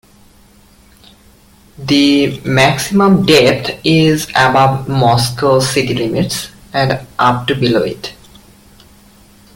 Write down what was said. The maximum depth is above Moscow city limits, and up to below it.